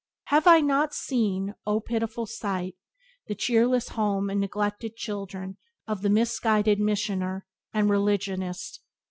Have I not seen (Oh, pitiful sight!) the cheerless home and neglected children of the misguided missioner and religionist?